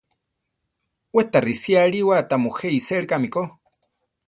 We ta risí ariwa tamujé isélikame ko.